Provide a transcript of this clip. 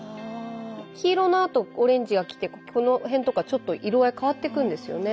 黄色のあとオレンジがきてこのへんとかちょっと色合い変わっていくんですよね。